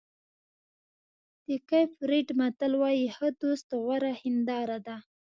د کېپ ورېډ متل وایي ښه دوست غوره هنداره ده.